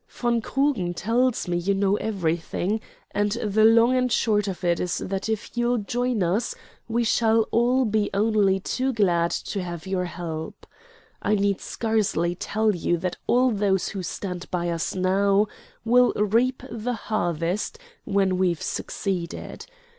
"Von Krugen tells me you know everything, and the long and short of it is that if you'll join us we shall all be only too glad to have your help. I need scarcely tell you that those who stand by us now will reap the harvest when we've succeeded.